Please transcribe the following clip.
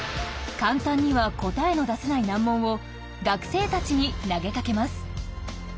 簡単には答えの出せない難問を学生たちに投げかけます。